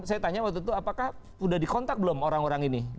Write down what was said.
saya tanya waktu itu apakah sudah dikontak belum orang orang ini